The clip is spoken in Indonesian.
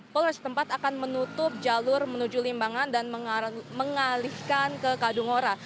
polres setempat akan menutup jalur menuju limbangan dan mengalihkan ke kadung ora